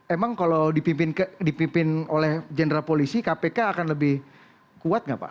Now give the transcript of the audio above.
emang kalau dipimpin oleh general polisi kpk akan lebih kuat nggak pak